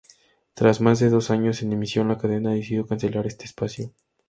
Tras más de dos años en emisión, la cadena decidió cancelar este espacio.